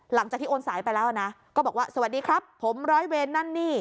หลังจากที่โอนสายไปแล้วนะก็บอกว่าสวัสดีครับผมร้อยเวรนั่นนี่